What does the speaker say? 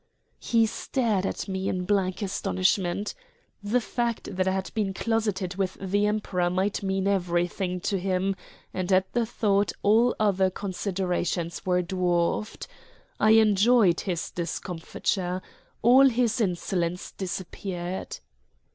He stared at me in blank astonishment. The fact that I had been closeted with the Emperor might mean everything to him, and at the thought all other considerations were dwarfed. I enjoyed his discomfiture. All his insolence disappeared.